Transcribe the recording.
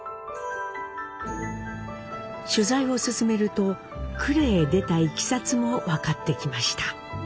取材を進めると呉へ出たいきさつも分かってきました。